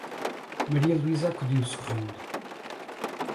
Maria Luísa acudiu, sorrindo: